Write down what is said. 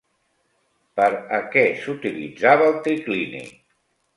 Per a què s'utilitzava el triclini?